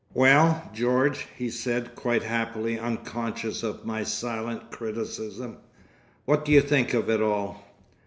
"Well, George!" he said, quite happily unconscious of my silent criticism, "what do you think of it all?"